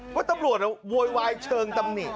เพราะตำรวจโวยวายเชิงตำหนิ